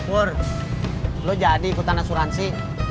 worl lo jadi ikutan asuransi